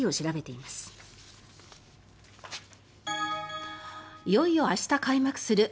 いよいよ明日開幕するＦＩＦＡ